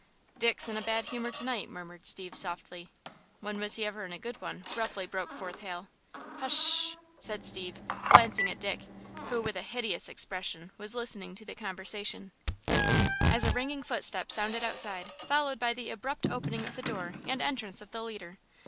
"Dick's in a bad humor to night," murmured Steve, softly. "When was he ever in a good one?" roughly broke forth Hal. "H sh!" said Steve, glancing at Dick, who, with a hideous expression, was listening to the conversation. "There's the cap'n!" exclaimed Hal, as a ringing footstep sounded outside, followed by the abrupt opening of the door and entrance of the leader.